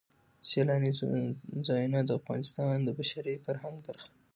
سیلاني ځایونه د افغانستان د بشري فرهنګ برخه ده.